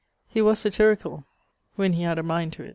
He was satyricall when he had a mind to it.